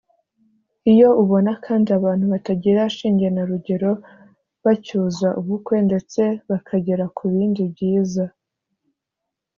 Iyo ubona kandi abantu batagira shinge na rugero bacyuza ubukwe ndetse bakagera ku bindi byiza